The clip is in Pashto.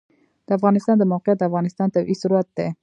د افغانستان د موقعیت د افغانستان طبعي ثروت دی.